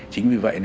chính vì vậy